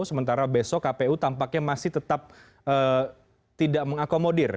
sementara besok kpu tampaknya masih tetap tidak mengakomodir